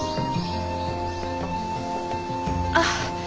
あっ。